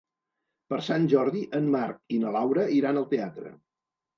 Per Sant Jordi en Marc i na Laura iran al teatre.